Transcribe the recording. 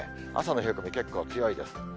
朝の冷え込み、結構強いです。